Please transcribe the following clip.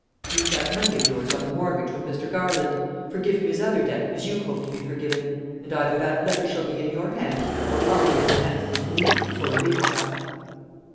"Leave that money of yours on the mortgage with Mr. Garland; forgive him his other debt as you hope to be forgiven; and either that letter shall be in your hands, or I'll be in the hands of the police, before a week is up!"